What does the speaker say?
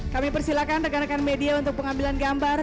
kami persilakan rekan rekan media untuk pengambilan gambar